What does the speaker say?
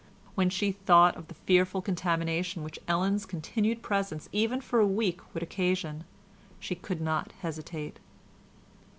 When she thought of the fearful contamination which Ellen's continued presence even for a week would occasion, she could not hesitate.